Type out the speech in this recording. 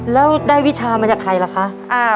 แล้วได้วิชามาจากใครล่ะคะ